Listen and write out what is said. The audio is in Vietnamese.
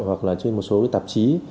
hoặc là trên một số tạp chí